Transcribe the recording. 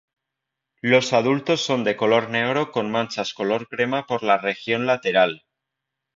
Los adultos son de color negro con manchas color crema por la región lateral.